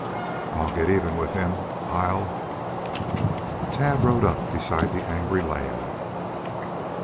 "I'll get even with him. I'll " Tad rode up beside the angry lad.